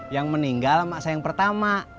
yang meninggal emak saya yang pertama